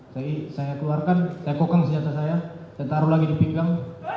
saya keluarkan saya kokang senjata saya saya taruh lagi di pinggang